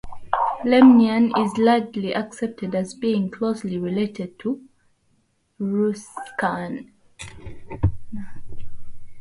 Lemnian is largely accepted as being closely related to Etruscan.